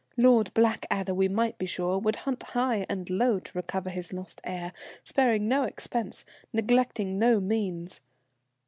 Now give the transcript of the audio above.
Lord Blackadder, we might be sure, would hunt high and low to recover his lost heir, sparing no expense, neglecting no means.